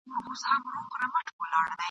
د میرې څپېړه د اور لمبه ده !.